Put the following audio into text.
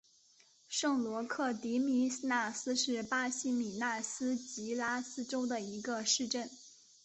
圣罗克迪米纳斯是巴西米纳斯吉拉斯州的一个市镇。